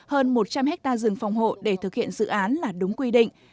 hơn một trăm linh hectare rừng phòng hộ để thực hiện dự án là đúng quy định